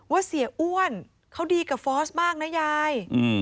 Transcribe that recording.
เสียอ้วนเขาดีกับฟอสมากนะยาย